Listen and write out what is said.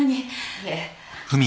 いえ。